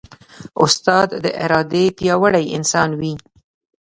استاد د ارادې پیاوړی انسان وي.